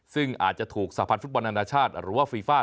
ซึ่งอาจจะถูกสาพันธ์ฟุตบอลนานาชาติหรือว่าฟีฟ่า